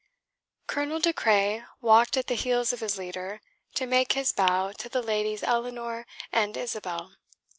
Colonel De Craye walked at the heels of his leader to make his bow to the ladies Eleanor and Isabel.